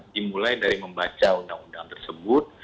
dimulai dari membaca undang undang tersebut